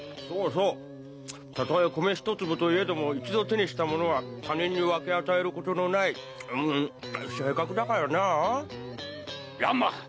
そうそうたとえ米一粒といえども一度手にしたものは他人に分け与えることのないあむん性格だからなあ乱馬！